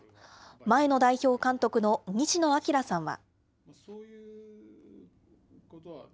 前の代表監督の西野朗さんは。